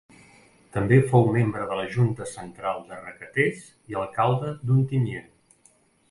També fou membre de la Junta Central de Requetés i alcalde d'Ontinyent.